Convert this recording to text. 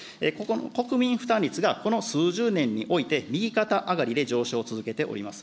国民負担率がこの数十年において、右肩上がりで上昇を続けております。